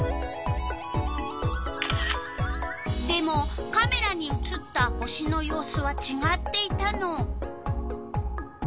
でもカメラに写った星の様子はちがっていたの。